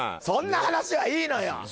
そんな話はいいのよ！